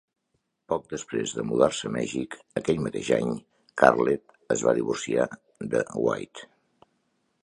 Poc després de mudar-se a Mèxic aquell mateix any, Catlett es va divorciar de White.